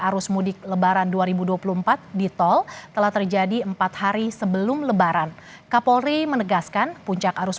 arus mudik lebaran dua ribu dua puluh empat di tol telah terjadi empat hari sebelum lebaran kapolri menegaskan puncak arus